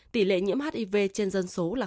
tỷ lệ nhiễm hiv trên dân số là bảy mươi năm